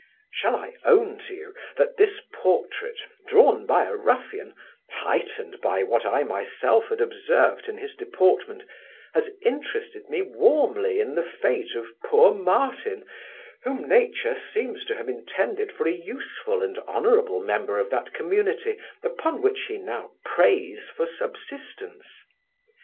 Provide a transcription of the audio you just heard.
Shall I own to you, that this portrait, drawn by a ruffian, heightened by what I myself had observed in his deportment, has interested me warmly in the fate of poor Martin, whom nature seems to have intended for a useful and honourable member of that community upon which he now preys for subsistence?